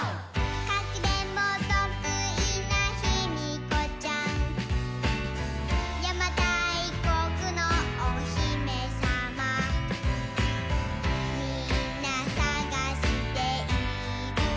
「かくれんぼとくいなヒミコちゃん」「やまたいこくのおひめさま」「みんなさがしているけど」